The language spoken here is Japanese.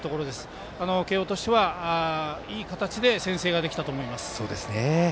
慶応としてはいい形で先制ができたと思います。